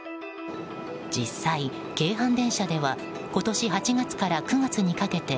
実際、京阪電車では今年８月から９月にかけて